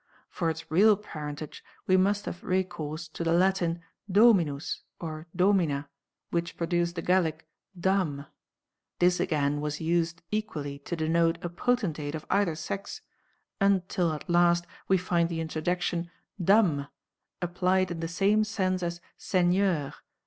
For its real parentage we must have recourse to the Latin dominus or domina which produced the Gallic dame. This again was used equally to denote a potentate of either sex, until at last we find the interjection dame! applied in the same sense as _Seigneur!